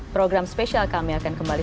program spesial kami akan kembali